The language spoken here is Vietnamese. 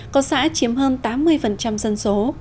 có xã chiếm hơn tám mươi dân số